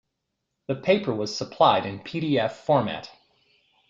The paper was supplied in pdf format.